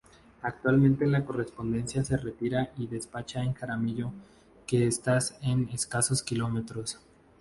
Actualmente la correspondencia se retira y despacha en Jaramillo que esta a escasos kilómetros.